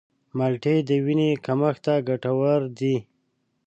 مالټې د وینې کمښت ته ګټورې دي.